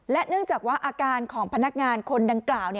เนื่องจากว่าอาการของพนักงานคนดังกล่าว